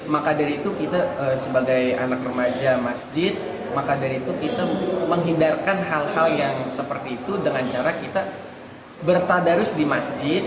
maka dari itu kita sebagai anak remaja masjid maka dari itu kita menghindarkan hal hal yang seperti itu dengan cara kita bertadarus di masjid